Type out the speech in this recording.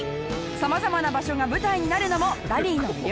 様々な場所が舞台になるのもラリーの魅力。